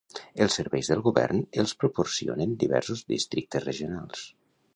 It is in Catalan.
Els serveis del govern els proporcionen diversos districtes regionals.